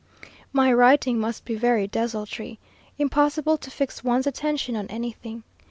My writing must be very desultory. Impossible to fix one's attention on anything.